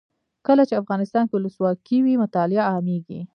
کله چې افغانستان کې ولسواکي وي مطالعه عامیږي.